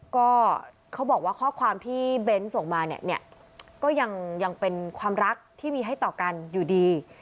ก็เขาบอกว่าข้อความที่เบนส์ส่งมาเนี่ยก็ยังเป็นความรักที่มีให้ต่อกันอยู่ดี